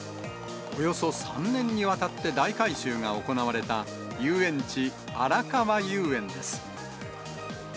およそ３年にわたって大改修が行われた、遊園地あらかわ遊園です。